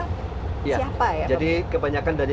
siapa ya jadi kebanyakan dari